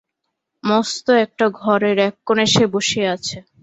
মস্ত একটি ঘরের এককোণে সে বসিয়া আছে।